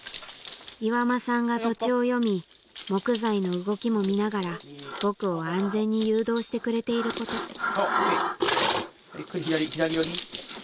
岩間さんが土地を読み木材の動きも見ながら僕を安全に誘導してくれていることゆっくり左左寄り。